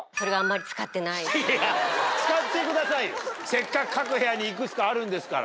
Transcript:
せっかく各部屋に幾つかあるんですから。